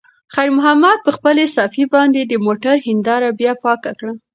خیر محمد په خپلې صافې باندې د موټر هینداره بیا پاکه کړه.